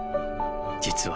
実は。